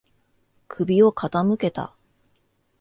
首を傾けた。